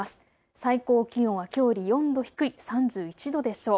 最高気温はきょうより４度低い３１度でしょう。